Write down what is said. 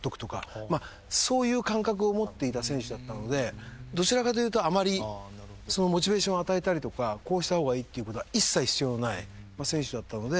まあそういう感覚を持っていた選手だったのでどちらかというとあまりモチベーションを与えたりとかこうした方がいいっていうことは一切必要のない選手だったので。